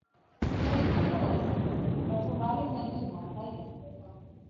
Durante su adolescencia, pasó varios años en Buenos Aires.